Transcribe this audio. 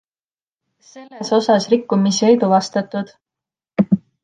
Selles osas rikkumisi ei tuvastatud.